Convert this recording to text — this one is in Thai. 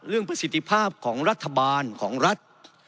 ประสิทธิภาพของรัฐบาลของรัฐ